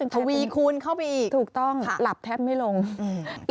ทวีคูณเข้าไปอีกถูกต้องหลับแทบไม่ลงอืม